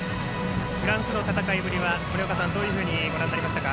フランスの戦いぶりは森岡さん、どういうふうにご覧になりましたか？